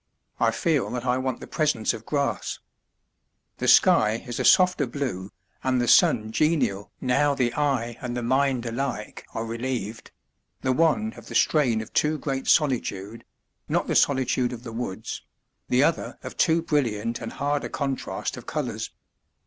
I feel that I want the presence of grass. The sky is a softer blue, and the sun genial now the eye and the mind alike are relieved the one of the strain of too great solitude (not the solitude of the woods), the other of too brilliant and hard a contrast of colours.